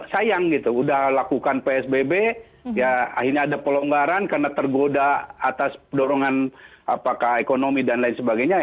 sayang gitu udah lakukan psbb ya akhirnya ada pelonggaran karena tergoda atas dorongan apakah ekonomi dan lain sebagainya